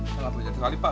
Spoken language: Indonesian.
salah banyak sekali pak